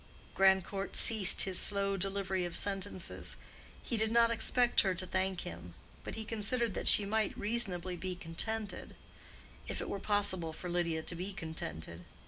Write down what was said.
Grandcourt ceased his slow delivery of sentences. He did not expect her to thank him, but he considered that she might reasonably be contented; if it were possible for Lydia to be contented.